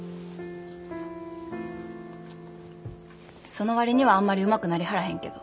その割にはあんまりうまくなりはらへんけど。